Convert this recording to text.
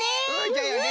じゃよね！